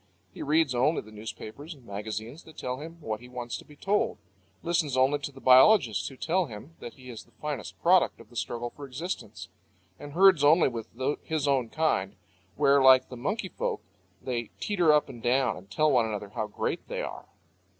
He reads only the newspapers and magazines that tell him what he wants to be told, listens only to the biologists who tell him that he is the finest product of the struggle for existence, and herds only with his own kind, where, like the monkey folk, they teeter up and down and tell one another how great they are.